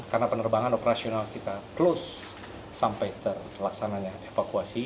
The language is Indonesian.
karena penerbangan operasional kita close sampai terlaksananya evakuasi